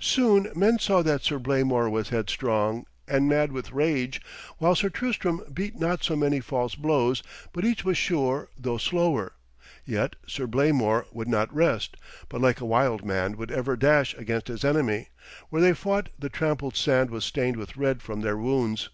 Soon men saw that Sir Blamor was headstrong, and mad with rage, while Sir Tristram beat not so many false blows, but each was sure, though slower. Yet Sir Blamor would not rest, but like a wild man would ever dash against his enemy. Where they fought the trampled sand was stained with red from their wounds.